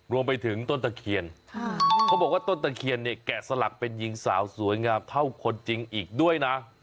รวมไปถึงต้นตะเคียนเขาบอกว่าต้นตะเคียนเนี่ยแกะสลักเป็นหญิงสาวสวยงามเท่าคนจริงอีกด้วยนะ